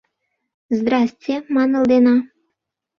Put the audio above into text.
— Здрасте, — манылдена.